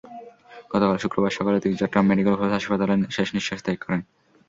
গতকাল শুক্রবার সকালে তিনি চট্টগ্রাম মেডিকেল কলেজ হাসপাতালে শেষনিঃশ্বাস ত্যাগ করেন।